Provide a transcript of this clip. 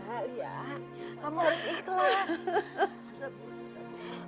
kamu harus ikhlas